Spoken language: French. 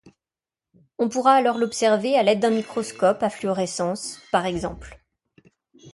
On pourra alors l'observer à l'aide d'un microscope à fluorescence, par exemple.